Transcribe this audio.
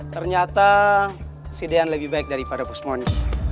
ternyata si deyan lebih baik daripada bos moni